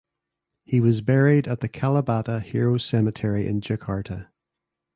He was buried at the Kalibata Heroes Cemetery in Jakarta.